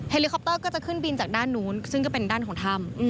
ลิคอปเตอร์ก็จะขึ้นบินจากด้านนู้นซึ่งก็เป็นด้านของถ้ำ